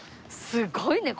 すごいね。